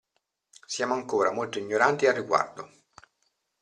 Siamo ancora molto ignoranti a riguardo.